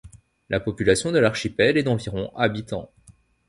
La population de l'archipel est d'environ habitants.